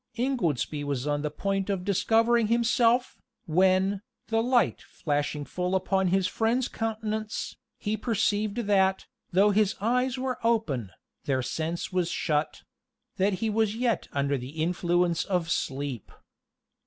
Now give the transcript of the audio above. Ingoldsby was on the point of discovering himself, when, the light flashing full upon his friend's countenance, he perceived that, though his eyes were open, "their sense was shut" that he was yet under the influence of sleep.